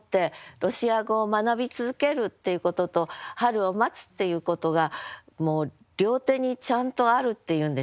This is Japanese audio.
ロシア語を学び続けるっていうことと春を待つっていうことが両手にちゃんとあるっていうんでしょうかね。